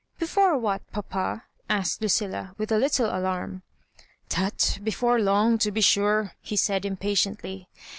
"Before what, papa?" asked Lucilla, with a little alarm. " Tut — before long, to be sure," he said, impa tiently.